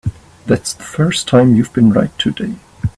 That's the first time you've been right today.